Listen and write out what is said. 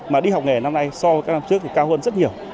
mà đi học nghề năm nay so với các năm trước thì cao hơn rất nhiều